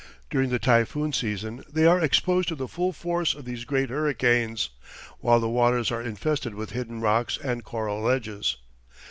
During the typhoon season they are exposed to the full force of these great hurricanes, while the waters are infested with hidden rocks and coral ledges.